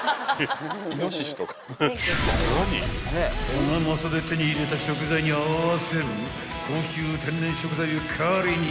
［ハナマサで手に入れた食材に合わせる高級天然食材を狩りに行くっちゅう］